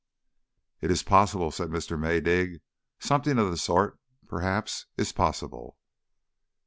"It's possible," said Mr. Maydig. "Something of the sort, perhaps, is possible."